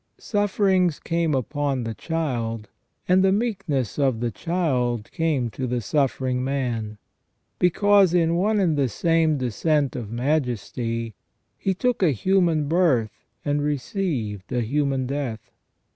Sufferings came upon the Child, and the meekness of the Child came to the suffering Man ; because in one and the same descent of Majesty, He took a human birth, and received a human death.